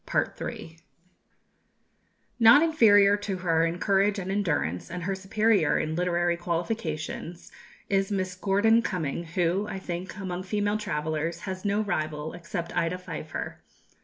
Not inferior to her in courage and endurance, and her superior in literary qualifications, is Miss Gordon Cumming, who, I think, among female travellers has no rival except Ida Pfeiffer.